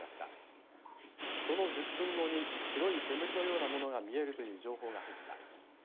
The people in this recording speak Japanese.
その１０分後に白い煙のようなものが見えるという情報が入った。